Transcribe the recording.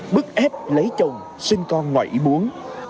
bước ép lấy chồng sinh con ngoại buốn